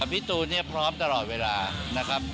พี่ตูนเนี่ยพร้อมตลอดเวลานะครับ